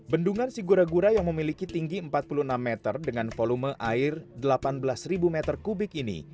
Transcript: bendungan siguragura yang memiliki tinggi empat puluh enam meter dengan volume air delapan belas meter kubik ini